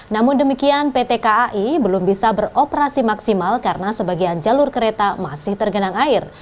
namun demikian pt kai belum bisa beroperasi maksimal karena sebagian jalur kereta masih tergenang air